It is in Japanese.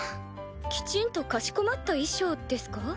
きちんとかしこまった衣装ですか？